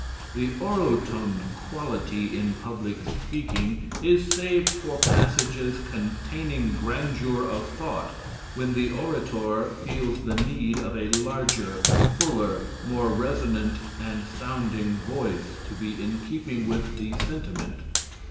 The orotund quality in public speaking is saved for passages containing grandeur of thought, when the orator feels the need of a larger, fuller, more resonant and sounding voice to be in keeping with the sentiment.